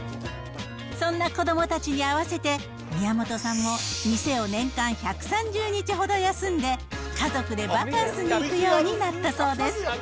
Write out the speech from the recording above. そんな子どもたちに合わせて、宮本さんも店を年間１３０日ほど休んで、家族でバカンスに行くようになったそうです。